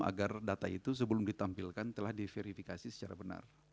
agar data itu sebelum ditampilkan telah diverifikasi secara benar